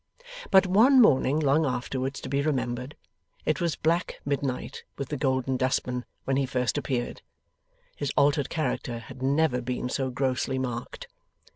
But, one morning long afterwards to be remembered, it was black midnight with the Golden Dustman when he first appeared. His altered character had never been so grossly marked.